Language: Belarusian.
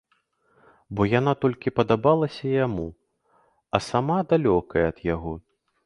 Бо яна толькі падабалася яму, а сама далёкая ад яго.